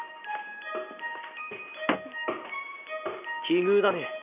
奇遇だね。